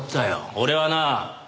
俺はな